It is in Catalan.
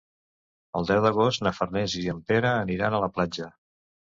El deu d'agost na Farners i en Pere aniran a la platja.